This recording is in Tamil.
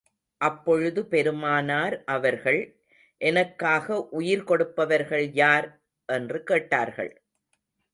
அப்பொழுது பெருமானார் அவர்கள், எனக்காக உயிர் கொடுப்பவர்கள் யார்? என்று கேட்டார்கள்.